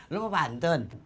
lu mau pantun